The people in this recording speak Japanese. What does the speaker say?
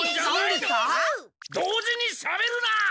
同時にしゃべるな！